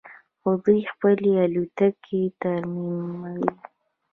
خو دوی خپلې الوتکې ترمیموي.